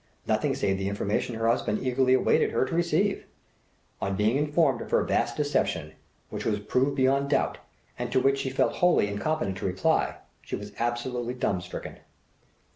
Nothing save the information her husband eagerly awaited her to receive. On being informed of her vast deception, which was proved beyond doubt, and to which she felt wholly incompetent to reply, she was absolutely dumb stricken.